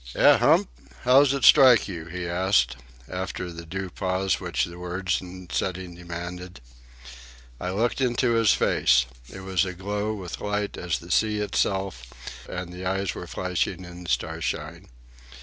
'" "Eh, Hump? How's it strike you?" he asked, after the due pause which words and setting demanded. I looked into his face. It was aglow with light, as the sea itself, and the eyes were flashing in the starshine.